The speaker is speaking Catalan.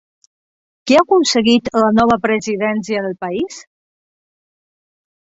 Qui ha aconseguit la nova presidència del país?